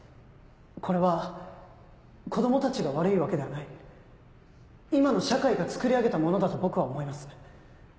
これは子供たちが悪いわけではない今の社会がつくり上げたものだと僕は思います。